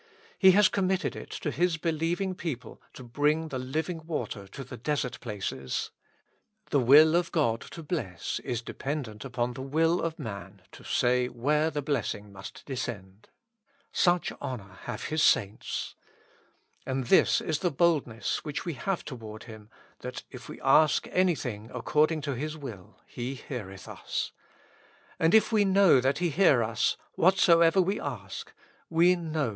He has committed it to His believing people to bring the living water to the desert places : the will of God to bless is dependent upon the will of man to say where the blessing must descend. Such honor have His saints." " And this is the boldness which we have toward Him, that if we ask anything according to His will, He heareth us.